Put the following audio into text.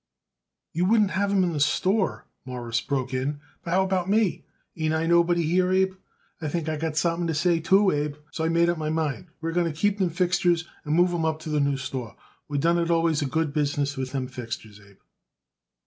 "You wouldn't have 'em in the store," Morris broke in; "but how about me? Ain't I nobody here, Abe? I think I got something to say, too, Abe. So I made up my mind we're going to keep them fixtures and move 'em up to the new store. We done it always a good business with them fixtures, Abe."